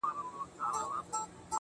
په دې ډېر ولس کي چا وهلی مول دی,